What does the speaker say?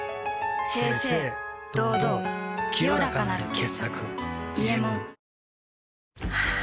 清々堂々清らかなる傑作「伊右衛門」ハァ。